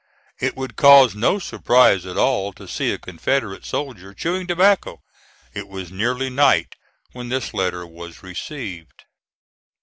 It would cause no surprise at all to see a Confederate soldier chewing tobacco. It was nearly night when this letter was received.